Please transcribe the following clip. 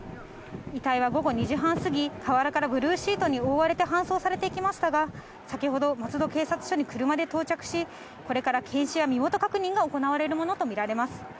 遺体は午後２時半過ぎ、河原からブルーシートに覆われて搬送されていきましたが、先ほど、松戸警察署に車で到着し、これから検視や身元確認が行われるものと見られます。